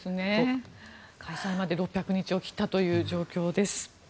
開催まで６００日を切ったという状況です。